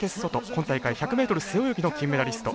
今大会１００ｍ背泳ぎの金メダリスト。